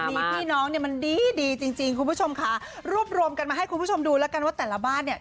มีพี่น้องเนี่ยมันดีดีจริงจริงคุณผู้ชมค่ะรวบรวมกันมาให้คุณผู้ชมดูแล้วกันว่าแต่ละบ้านเนี่ย